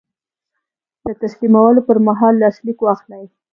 د تسلیمولو پر مهال لاسلیک واخلئ.